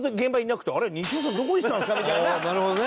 なるほどね。